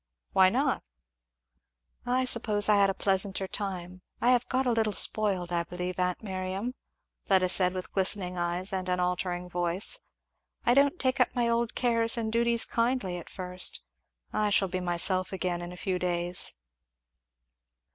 "Why not "I suppose I had a pleasanter time, I have got a little spoiled, I believe, aunt Miriam," Fleda said with glistening eyes and an altering voice, "I don't take up my old cares and duties kindly at first I shall be myself again in a few days."